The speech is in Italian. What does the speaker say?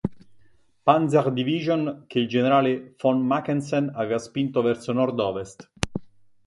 Panzer-Division che il generale von Mackensen aveva spinto verso nord-ovest.